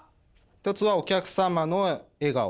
１つはお客様の笑顔。